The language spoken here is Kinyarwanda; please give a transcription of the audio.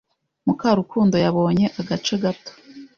Mukarukundo yabonye agace gato.